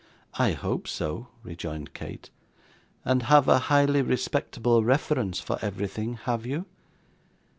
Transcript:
'I hope so,' rejoined Kate. 'And have a highly respectable reference for everything, have you?